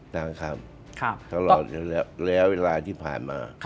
ตั้งครั้งตลอดแล้วเวลาที่ผ่านมา